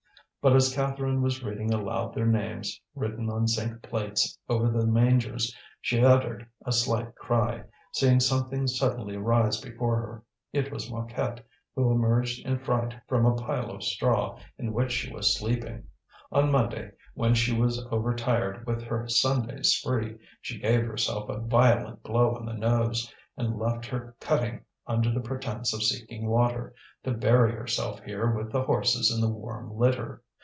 But as Catherine was reading aloud their names, written on zinc plates over the mangers, she uttered a slight cry, seeing something suddenly rise before her. It was Mouquette, who emerged in fright from a pile of straw in which she was sleeping. On Monday, when she was overtired with her Sunday's spree, she gave herself a violent blow on the nose, and left her cutting under the pretence of seeking water, to bury herself here with the horses in the warm litter.